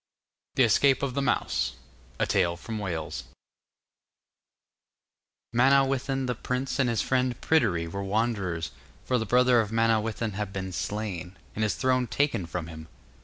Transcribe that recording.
The Escape of the Mouse Manawyddan the prince and his friend Pryderi were wanderers, for the brother of Manawyddan had been slain, and his throne taken from him.